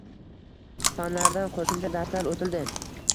Fanlaridan qoʻshimcha darslar oʻtildi.